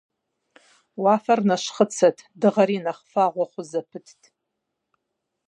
Уафэр нэщхъыцэт, дыгъэри нэхъ фагъуэ хъу зэпытт.